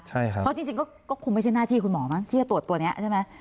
เพราะจริงก็คงไม่ใช่หน้าที่คุณหมอมั้งที่จะตรวจตัวนี้ใช่ไหม